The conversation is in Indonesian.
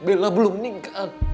bella belum meninggal